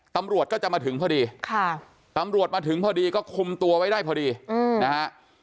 ตำรวจมาถึงพอดีก็คุมตัวไว้ได้พอดีนะฮะ